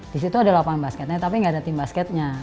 di situ ada lopang basketnya tapi gak ada tim basketnya